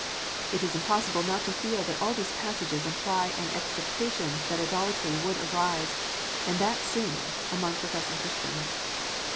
It is impossible not to feel that all these passages imply an expectation that idolatry would arise, and that soon, among professing Christians.